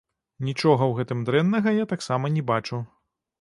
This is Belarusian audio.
Нічога ў гэтым дрэннага я таксама не бачу.